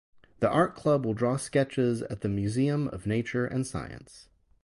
The art club will draw sketches at the Museum of Nature and Science.